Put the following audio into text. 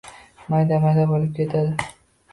mayda-mayda bo‘lib ketadi!..